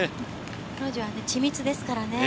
彼女は緻密ですから。